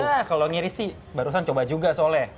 iya kalau ngiri sih barusan coba juga soalnya